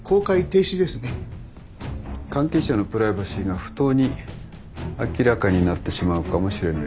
関係者のプライバシーが不当に明らかになってしまうかもしれない。